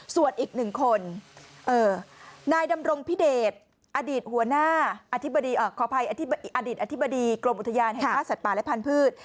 ส่วนอีกหนึ่งคนนายดำรงพิเดชอดีตอธิบดีกรมอุทยานแห่งฆ่าสัตว์ป่าและพันธ์พืช